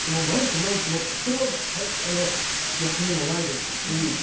毎日、毎日とても休みもないですし。